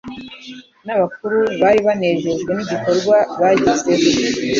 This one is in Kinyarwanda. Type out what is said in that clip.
n'abakuru bari banejejwe n'igikorwa bagezeho.